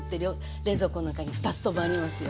冷蔵庫の中に２つともありますよ。